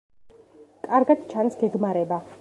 კარგად ჩანს გეგმარება.